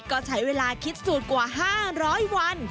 ก็ใช้เวลาคิดสูตรกว่า๕๐๐วัน